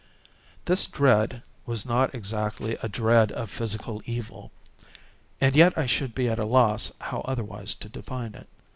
This dread was not exactly a dread of physical evil—and yet I should be at a loss how otherwise to define it.